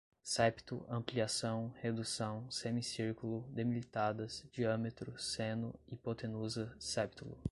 septo, ampliação, redução, semicírculo, delimitadas, diâmetro, seno, hipotenusa, septulo